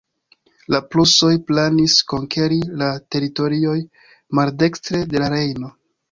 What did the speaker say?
La prusoj planis konkeri la teritorioj maldekstre de la Rejno.